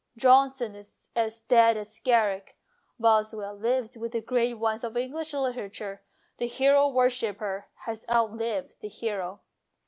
Johnson is as dead as Garrick. 230 MONOLOGUES Boswell lives with the great ones of English literature. The hero worshipper has outlived the hero.